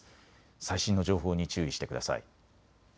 最新の情報に注意してください。